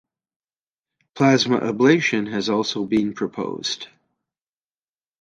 Plasma ablation has also been proposed.